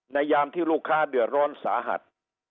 ยามที่ลูกค้าเดือดร้อนสาหัส